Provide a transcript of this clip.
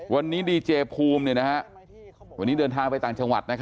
วันนี้ดีเจภูมิวันนี้เดินทางไปต่างจังหวัด